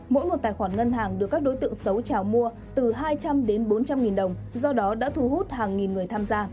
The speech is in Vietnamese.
mỗi một tài khoản ngân hàng được các đối tượng xấu trào mua từ hai trăm linh đến bốn trăm linh nghìn đồng do đó đã thu hút hàng nghìn người tham gia